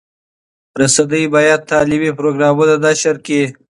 رسنۍ باید تعلیمي پروګرامونه نشر کړي.